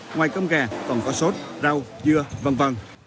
ngoài cơm gà còn có sốt rau dưa v v